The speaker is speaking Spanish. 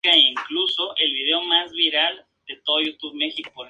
Fue decidido convocar una conferencia lo antes posible.